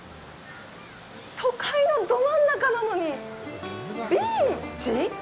都会のど真ん中なのに、ビーチ？